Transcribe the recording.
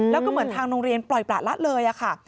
แล้วก็เหมือนทางโรงเรียนปล่อยประละเลยค่ะ